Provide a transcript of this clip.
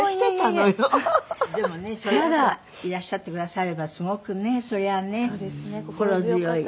でもねそういう方がいらっしゃってくださればすごくねそれはね心強い。